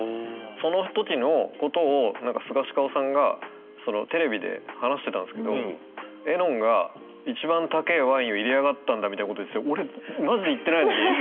その時のことを何かスガシカオさんがテレビで話してたんですけど「絵音が一番高えワインを入れやがったんだ」みたいなこと言ってて俺マジで言ってないのに。